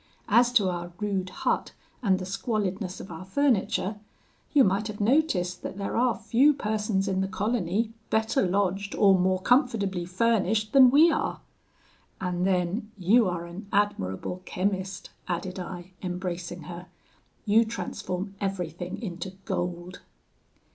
As to our rude hut and the squalidness of our furniture, you might have noticed that there are few persons in the colony better lodged or more comfortably furnished than we are: and then you are an admirable chemist,' added I, embracing her; 'you transform everything into gold.'